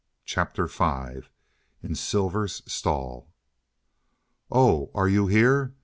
CHAPTER V. In Silver's Stall. "Oh, are YOU here?